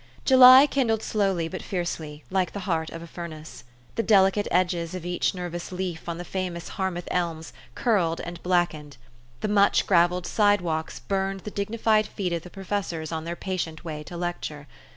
JULY kindled slowly but fiercely, like the heart of a furnace. The delicate edges of each nerv ous leaf on the famous Harmouth elms curled and blackened. The much gravelled sidewalks burned the dignified feet of the professors on their patient way to lecture.